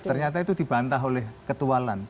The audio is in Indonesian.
ternyata itu dibantah oleh ketua lan